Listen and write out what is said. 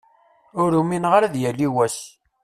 Ur umineɣ ara ad yali wass.